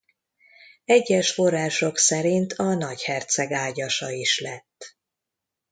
Egyes források szerint a nagyherceg ágyasa is lett.